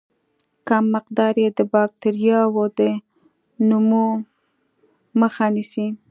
کم مقدار یې د باکتریاوو د نمو مخه نیسي.